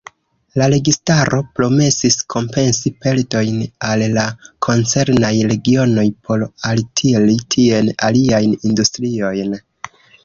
La registaro promesis kompensi perdojn al la koncernaj regionoj por altiri tien aliajn industriojn.